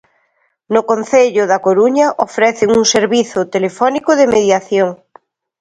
No Concello da Coruña ofrecen un servizo telefónico de mediación.